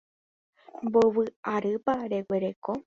Mbovy arýpa reguereko.